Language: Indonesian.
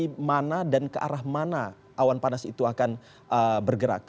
dari mana dan ke arah mana awan panas itu akan bergerak